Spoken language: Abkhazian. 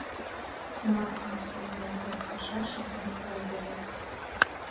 Мап, аԥсуа жәлар зырԥхашьаша ус ҟарымҵаӡац.